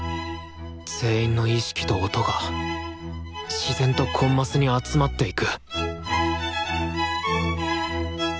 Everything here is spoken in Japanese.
全員の意識と音が自然とコンマスに集まっていく